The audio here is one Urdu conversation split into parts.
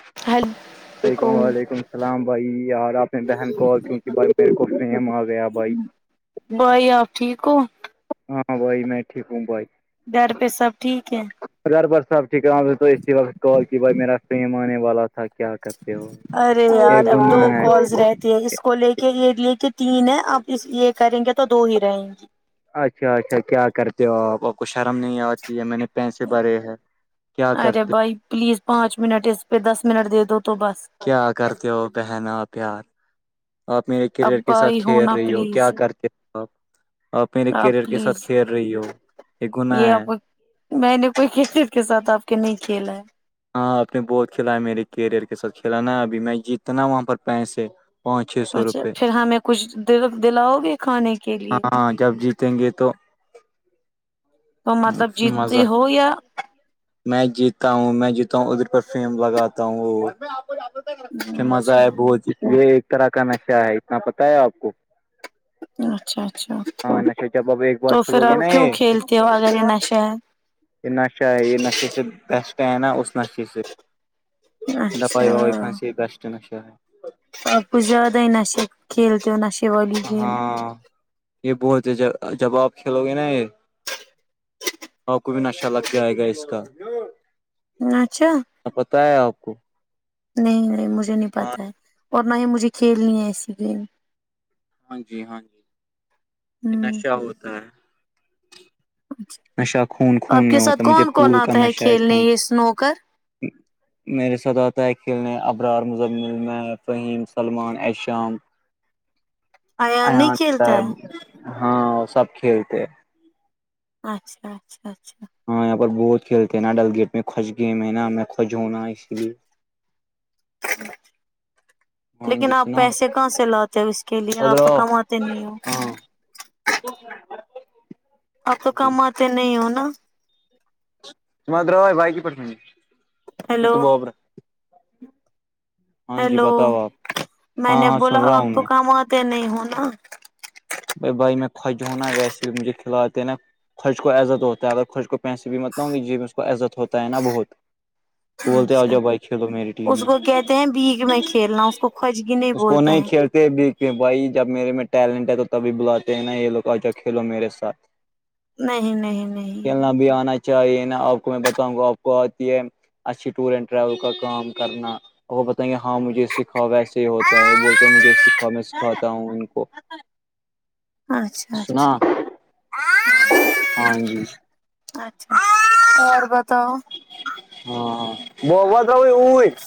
[unintelligible] لیکم وعلیکم السلام بھائی یار اپنے بہن کو کیونکہ میرے کو فیم آ گیا بھائی بھائی آپ ٹھیک ہو ہاں بھائی میں ٹھیک ہوں بھائی گھر پہ سب ٹھیک ہے گر بار صحب ٹھیکا تو اسی وقت کال کی بھائی میرا فیم آنے والا تھا [unintelligible] کیا کرتے ہو ارے یار ایک اب دو گنا ہے کالز رہتی اس کو لے کے یہ لے کہ تین ہے اپ یہ کریں گے تو دو ہی رہیں گی اچھا اچھا کیا کرتے ہو آپ کچھ شرم نہیں آتی ہے میں نے پیسے بھرے ہے کیا ارے کرتے بھائی پلیز پانچ منٹ اس پہ دس منٹ دے دو تو بس کیا کرتے ہو بہنا پیار [unintelligible] آپ میرے اب کیریئر کے ساتھ بھائی کھیل ہونا رہی ہو کیا پلیز کرتے ہو آپ اور پے آپ کیریئر کے ساتھ پلیز کھیل رہی ہو یہ گنااہ ہے [unintelligible] میں نے کوئی کرکٹ کے ساتھ آپ کے نہیں کھیلا ہے ہاں اپپ نے بہت کھیلا ہے میرے کیریئر کے ساتھ کھیلا ابھی میں جیتنا وہاں پر پیسے پانچ چھ سو اچھا روپے پھر ہمیں کچھ دلاؤ گے کھانے کے لیے ہاں جب جیتیں گے تو تو مطلب پھر جیتتے مزہ ہو یا میں جیتا ہوں میں جیتا ہوں ادھر پر فیم لگاتا ہوں مزہ اچھا ہے بہت ایک طرح کا نشہ ہے اتنا پتہ ہے آپ کو [inaudible] اچھا اچھا ہاں نشے جب اب ایک تو بار پھر کھیلو گے آپ نا کیوں یہ کھیلتے ہو اگر یہ نشہ ہے یہ نشہ ہے یہ نشے سے بیسٹ ہے نا اس نشے سے دپائی و اچھا خان سے بیسٹ نشا ہے [unintelligible] آب کوچھ زیاد ہی نش کھیلتیو نہش ہاں یہ بہت ہے جب آپ کھیلو گے نا یہ [unintelligible] کو بھی ن اچھا لگ جائے گا اس کا اچھا پتہ ہے آپ کو نہیں نہیں مجھے نہیں ہاں پتا ہے اور نہ یہ مجھے کھیلنی ہے ایسی گیم ہاں جی ہاں جی یہ ہمم نشہ ہوتا ہے نشہ خون آپ خون کے میں ساتھ ہوتا ہے مجھے کون کون پھول کا آتا نشہ ہے کھیلنے خون یہ سنوکر میرے ساتھ آتا ہے کھیلنے ابرار مزمل میں فہیم سلمان ایشام ایان نہیں کھیلتا ہے ہاں سب کھیلتے ہیں اچھا اچھا اچھا ہاں یہاں پر بہت کھیلتے ہیں نا ڈلگیٹ میں خوج گی میں ہے نا میں خوج ہوں نا اسی لیے ہاں لیکن جی آپ سنا پیسے کہاں سے لاتے ہو اس کے لیے آپ ادرو کماتے نہیں ہو او [unintelligible] اب تو کم آتے نہیں ہو نا ا درا بائے پی س تو ہیلو بابرا [unintelligible] ہیلو آپ میں ہاں نے ہاں سن بولا رہا آپ ہوں تو میں کہماںات نہیں ہوناا بھائی بھائی میں خوج ہوں نا ویسے ہی مجھے کھلاتے نا خوج کو عزت ہوتا ہے اگر ک خوج کو پیسے بھی مت نا ہونگے جیب میں اس کو عزت ہوتا ہے نا بہت بولتے آ اچھا جاؤ بھائی کھیلو میری ٹیم اس میں کو کہتے ہیں بھیک میں کھیلنا اس کو خوجگی نہیں اس کو بولتے ہیں کھیلتے بھی کہ بھائی جب میرے میں ٹیلنٹ ہے تو کبھی بلاتے ہیں نا یہ لوگ آ جاؤ کھیلو میرے ساتھ نہیں نہیں نہیں کھیلنا بھی آنا یہ نا آپ کو میں بتاؤں گا آپ کو آتی ہے اچھی ٹور اینڈ ٹریول کا کام کرنا اور وہ بتائیں گے ہاں مجھے سکھاؤ ویسے ہی ہوتا ہے یہ بولتے ہے مجھے سکھاؤ میں سکھاتا ہوں ان کو اچھا سنا اچھا ہاں جی اچھا اور بتاؤ ہاں ببات بھی ائی [inaudible]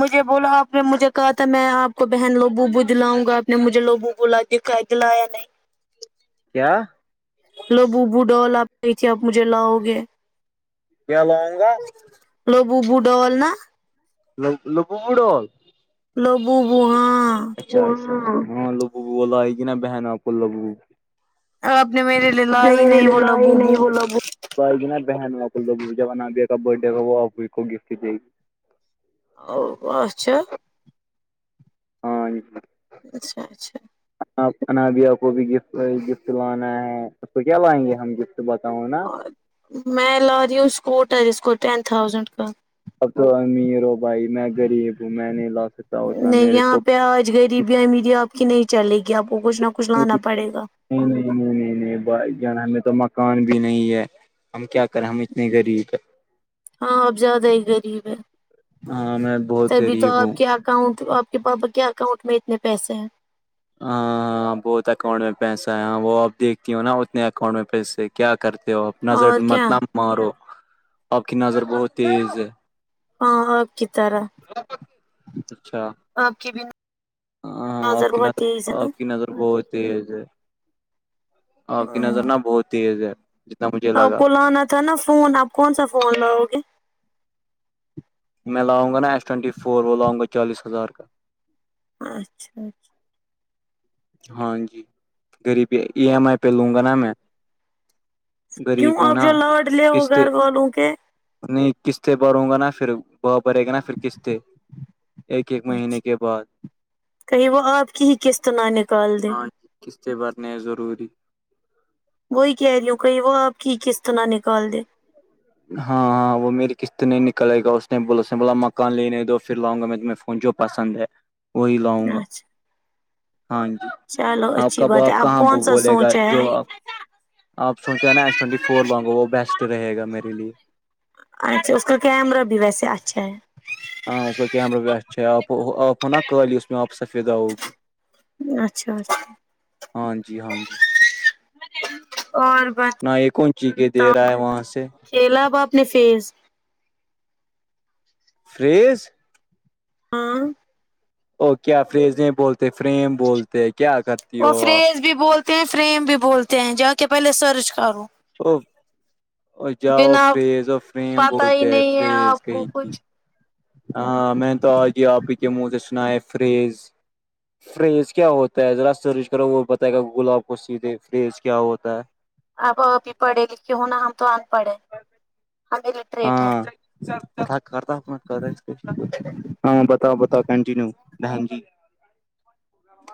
مجھے بولو آپ نے مجھے کہا تھا میں آپ کو بہن لبوبو دلاؤں گا آپ نے مجھے لبوبو لا دلایا نہیں کیا لبوبو ڈال آپ گئی تھی آپ مجھے لاؤ گے کیا لاؤں گا لبوبو ڈال نا لبوبو ڈال لبوبو ہاں اچھا ہاں لبوبو وہ لائے گی نا بہن آپ کو لبوبو اور آپ نے میرے لیے لایا ہی میرے نہیں لیے وہ لائی ہی لوبوبو نہیں وہ لبوبو وہ لائے گی نا بہن آپ کو لبوبو جب انابیہ کا برتھ ڈے ہوگا وہ آپ کو گفٹ دے گی او اچھا ہاں جی اچھا اچھا آپ انابیہ کو بھی گفٹ لانا ہے تو کیا لائیں گے ہم گفٹ بتاؤ نا اور میں لارہی ہوں اسکوٹر اس کو ٹین تھاؤزنڈ کا آپ تو امیر ہو بھائی میں غریب ہوں میں نہیں لا سک نہیں یہاں پہ آج غریبی امیری آپ کی نہیں چلے گی آپ کو کچھ نہ کچھ لانا پڑے گا نہیں نہیں نہیں نہیں نہیں بھائی جان ہمیں تو مکان بھی نہیں ہے ہم کیا کرے ہم اتنے غریب ہے ہاں آپ زیادہ ہی غریب ہے ہاں میں بہت تبھی تو غریب ہوں آپ کے اکاؤنٹ آپ کے پاپا کے اکاؤنٹ میں اتنے پیسے ہیں ہاں ہاں بہت اکاؤنٹ میں پیسہ ہے وہ آپ دیکھتی ہو نا اتنے اکاؤنٹ میں پیسے کیا کرتے ہو آپ نظر اور مت کیا نہ مارو آپ کی نظر بہت تیز ہے ہاں آپ کی طرح اچھا آپ کی بھی ہاں ہاں آپ کی بہت نظر تیز ہے نا آپ کی نظر بہت تیز ہے آپ کی ہاں نظر نہ بہت تیز ہے جتنا مجھے آپ لگا کو لانا تھا نا فون اب کون سا فون لاؤ گے میں لاؤں گا نا ایس ٹوونٹی فور وہ لاؤ گا چالیس ہزار کا اچھا اچھا ہاں جی غریبی ای اچھا ایم آئی پہ لوں گا نا میں غریب ہوں نا قستے بولوں کہ نہیں قسط بھروں گا نا پھر ب بھرے گا نا پھر قسط ایک ایک مہینے اچھا کے بعد کہیں وہ آپ کی ہی قسط نہ نکال دے ہاں قسطیں بھرنے ضروری وہی کہہ رہی ہوں کہی وہ آپ کی کس طرح نکال دے ہاں ہاں وہ میری قسط نہیں نکلے گا اس نے اس نے بولا مکان لینے دو پھر لاں گا میں تمیں جو پسند ہے وہی لاؤں گا اچھا ہاں جی چلو آپ اچھی کا بات ہے باپ آپ کہاں کون سا بولے گا سوچے جو ہیں آپ آپ سوچے نا ایس ٹونٹی فور لوگو وہ بیسٹ رہے گا میرے لیے اچھا اس کا کیمرہ بھی ویسے اچھا ہے ہاں اس کا کیمرہ بھی اچھا ہے آپ آپ ہوناا کالی اس میں آپ سفیدہ ہوگی اچھا اچھا ہاں جی ہاں جی اور نہ بتا یہ کون چیزیں دے رہا ہے وہاں سے چلا با اپنے فیس فرش ہاں او کیا فریزیں بولتے فریم بولتے کیا کرتے وہ فریز بھی بولتے ہیں فریم بھی بولتے ہیں جا کے پہلے سرچ کروں او جاؤ بنا فریز اور فریم پتا ہی بولتے ہیں نہیں ہے فریز آپ کو کہیں کی کچھ ہاں میں نے تو آگ آپ ہی کے منہ سے سنا ہے فریز فریز کیا ہوتا ہے ذرا سرچ کرو وہ بتائے گا گلاب کو سیدھے فریز کیا ہوتا ہے اب ابھی پڑھے لکھے ہونا ہم تو ان پڑھے ہمیں ہاں کرتات ہاں بتاؤ بتاؤ کنٹینو بہن جی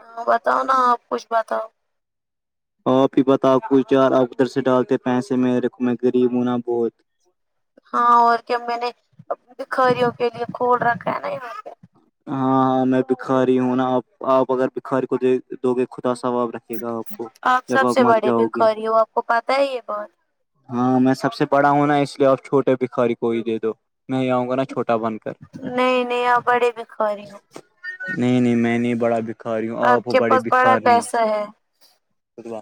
ہاں بتاؤ نا آپ کچھ بتاؤ آپ ہی بتا کو یار آپ ادھر سے ڈالتے پیسے میرے کو میں غریب ہوں نا بہت ہاں اور کیا میں نے بکھاریوں کے لیے کھول رکھا ہے نا ہاں ہاں میں بکھاری ہوں نا آپ آپ اگر بکھاری کو دے دو گے خدا ثواب رکھے گا آپ کو آپ جب سب سے مر بڑے جاؤ گے بھکھاری ہو آپ کو پتہ ہے یہ بات ہاں میں سب سے بڑا ہوں نا اس لیے آپ چھوٹے بھکھاری کو ہی دے دو میں آؤں گا نا چھوٹا بن کر نہیں نہیں آپ بڑے بخاری ہو نہیں نہیں میں نہیں بڑا بکھاری ہوں آپ کے بڑے پاس بڑا بکھار پیسہ ہے نہیں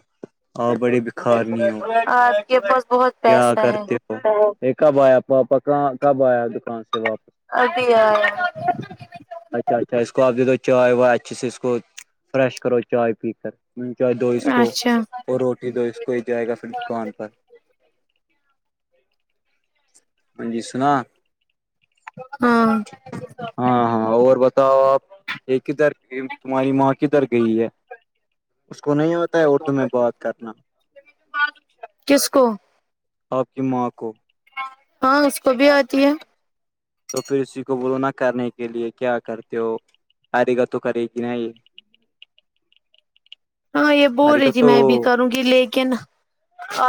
آپ بڑی بکھار نہیں ہو آپ کے پاس بہت کیا پیسہ ہے کرتے یہ کب آیا پاپا ک کب آیا دکان سے واپس اد [unintelligible] اچھا اچھا ا اس کو آپ د دو چائے وائے اچھی سے ا اسس کو فریش کرو چائے پی کر انچوائے دو اس کو اچھا اور روٹی دو اس کو ہی جائے گا پھر دکان پر ہاں جی سنا ہاں ہاں ہاں اور بتاؤ آپ یہ کدھر تمہاری ماں کدھر گئی ہے اس کو نہیں ہوتا ہے اردو میں بات کرنا کس کو آپ کی ماں کو ہاں اس کو بھی آتی ہے تو پھر اسی کو برو نہ کرنے کے لیے کیا کرتے ہو ایگا تو کری کی نہیں [inaudible] ہاں یہ بول ارے گا رہی تھی تو میں بھی کروں گی لیکن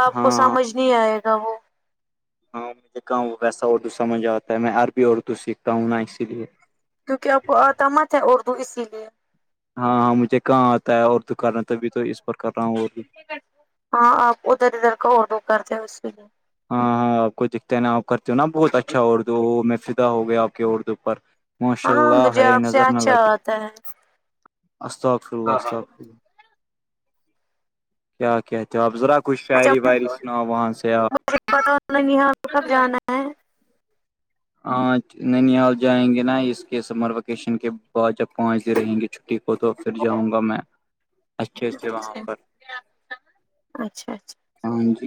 آپ کو ہاں سمجھ نہیں آئے گا وہ ہاں میں کہا ویسا اردو سمجھ آتا ہے میں عربی اردو سیکھتا ہوں نا اسی لیے کیونکہ آپ کو آتامت ہے اردو اسی لیے ہاں ہاں مجھے کہاں آتا ہے اور دکان ہے تبھی تو اس پر کر رہا ہوں اور بھی ہاں آپ ادھر ادھر کا اور دو کرتے ہیں اس پے کیا ل ہاں ہاں آپ کو دکھتے ہےا آپ کرتی ہوں نا بہت اچھا اردو میں فدا ہو گیا آپ کے اردو پر ماشاء ہاں اللہ مجھے ہاے آپ سے نظر نہ اچھا لگے آتا ہے استغفر اللہ استغفر اللہ کیا کہتے ہو آپ ذرا کچھ شاعری واعری سناؤ وہاں سے آپ [inaudible] پتا ہو یہاں کو کب جانا ہے آج نانیحال جائیں گے نا اس کے سمر ویکیشن کے بعد جب پانچ دن رہیں گے کو تو پھر جاؤں گا میں اچھے سے وہاں پر اچھا اچھا ہاں جی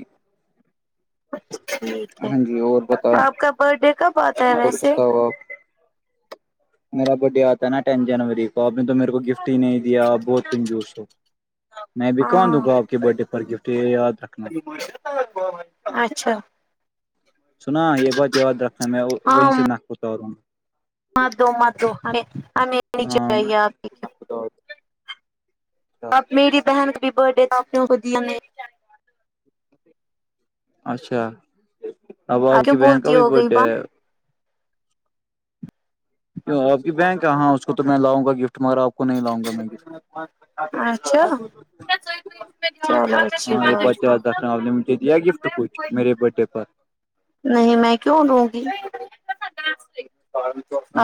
اچھا ٹھیک ہے ہاں جی اور بتاؤ آپ کا برتھ ڈے کب آتا ہے ویسے اوکے میرا برتھ ڈے آتا ہے نا ٹین جنوری کو آپ نے تو میرے کو گفٹ ہی نہیں دیا آپ بہت کنجوس ہو میں بھی کہا دوں ہاں گا آپ کے برت ڈے پر گفٹ یے یاد رکھنا اچھا سنا یہ بات یاد رکھنا ہے میں ہاں وہیں سے ناک پور جا رہا ہوں مت دو مت دو ہم ہمیں ہاں چاہیے آپ کی گفٹ اچھا اب میری بہن کا بھی برتھ ڈے تو آپنے ان کو دیا نہیں اچھا اب آپ کیوں کی بہن کا بولتی بھی ہو برتھ گئی ڈے بات ہے کیوں آپ کی بیہن کہا اس کو تو میں لاؤں گا گفٹ مگر آپ کو نہیں لاؤں گا میں گفٹ اچھا چلو اچھی ہاں یہ بات یاد ہے رکھنا آپ نے مجھے دیا گفٹ کچھ میرے برتھ ڈے پر نہیں میں کیوں دونگی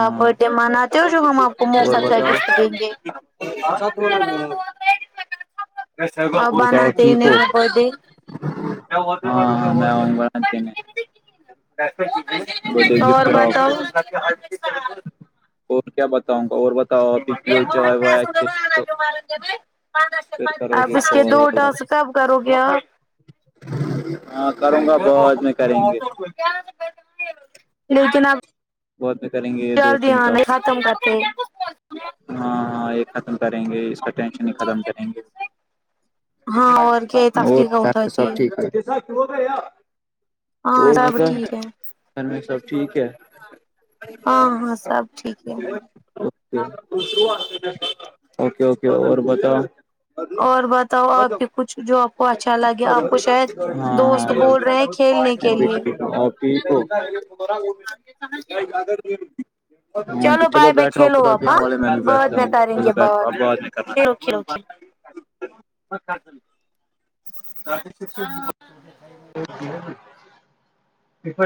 آپ برتھ ڈے مناتے ہو جو ہم آپ کو اور مفت کا بتاؤ گفٹ دیں گیں [inaudible] آپ بتاؤ بناتے ہیں ٹھیک ہو نہیں ہاں ہاں ہو میں اؤں گا نہ دینے برتھ ڈے اور گفٹ ہے آپ بتاؤ کو اور کیا بتاؤں گا اور بتاؤ آپ ہی پیو چائ وائ اچھے سے تو پھر کرو اب گے اس کے کال وال آپ۔ دوٹاسک کب کرو گےہا ہاں کروں گا باد میں کریں گے لیکن اب باد میں کریں گے یہ چل دو تین دیھیان ٹاسک ختم کرتے ہاں ہاں یہ ختم کریں گے اس کا ٹینشن ہی ختم کریں گے ہاں اور کیا تکلیف ہوٹھاتی ہے اور ہاں سب بتا ٹھیک ہے گھر میں سب ٹھیک ہے ہاں ہاں سب ٹھیک ہے کے اوکے اوکے اور بتاؤ اور بتاؤ آپ کے کچھ جو آپ کو اچھا لگے آپ کو شاید [unintelligible] دوست بول رہے ہیں کھیلنے میں کے بھی لیے ٹھیک ہوں آپ ٹھیک ہو ہاں جی چلو بائے بائے بیٹھ رہا ہو کھیلو خدا کے آپ حوالے میں ہاں بھی بعد بیٹھتا ہوں چلو بیٹھو اب بعد میں کرنا ا اوکے [unintelligible]